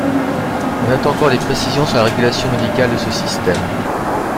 On attend encore des précisions sur la régulation médicale de ce système.